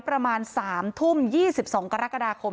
ประมาณ๓ทุ่ม๒๒กรกฎาคม